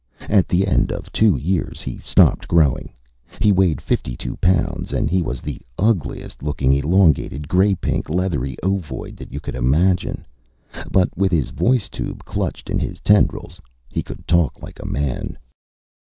At the end of two years, he stopped growing. He weighed fifty two pounds and he was the ugliest looking, elongated, gray pink, leathery ovoid that you could imagine. But with his voice tube clutched in his tendrils, he could talk like a man.